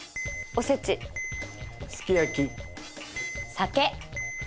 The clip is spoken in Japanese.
酒。